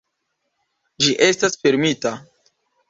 Ĝi estas fermita.